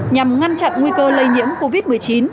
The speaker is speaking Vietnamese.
nhằm ngăn chặn nguy cơ lây nhiễm covid một mươi chín